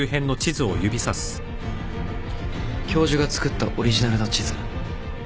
教授が作ったオリジナルの地図知ってるよね。